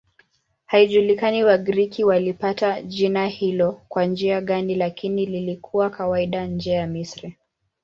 Haijulikani Wagiriki walipata jina hilo kwa njia gani, lakini lilikuwa kawaida nje ya Misri.